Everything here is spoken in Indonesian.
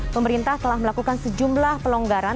pemerintah telah melakukan sejumlah pelonggaran